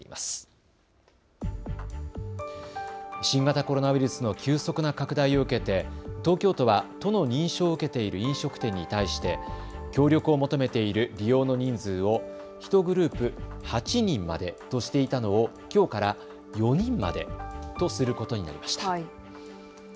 新型コロナウイルスの急速な拡大を受けて東京都は都の認証を受けている飲食店に対して協力を求めている利用の人数を１グループ８人までとしていたのをきょうから４人までとすることになりました。